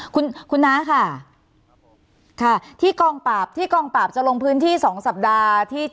คุณคุณน้าค่ะค่ะที่กองปราบที่กองปราบจะลงพื้นที่สองสัปดาห์ที่